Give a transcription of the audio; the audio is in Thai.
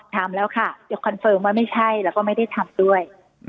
ถามแล้วค่ะเดี๋ยวคอนเฟิร์มว่าไม่ใช่แล้วก็ไม่ได้ทำด้วย